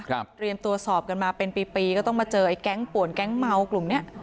เตรียมตัวสอบกันมาเป็นปีปีก็ต้องมาเจอไอ้แก๊งป่วนแก๊งเมากลุ่มเนี้ย